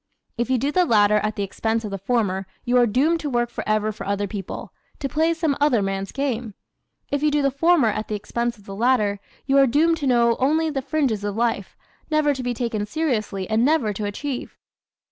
If you do the latter at the expense of the former you are doomed to work forever for other people, to play some other man's game. If you do the former at the expense of the latter you are doomed to know only the fringes of life, never to be taken seriously and never to achieve.